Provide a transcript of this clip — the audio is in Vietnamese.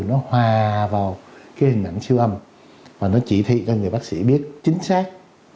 nó hòa vào cái hình ảnh siêu âm và nó chỉ thị cho người bác sĩ biết chính xác